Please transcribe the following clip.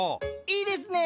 いいですね。